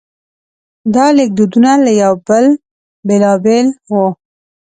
دا لیکدودونه له یو بل بېلابېل وو.